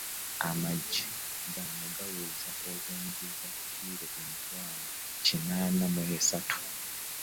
Amajaani gano gaweza obungi bwa kkiro emitwalo kinaana mu esatu.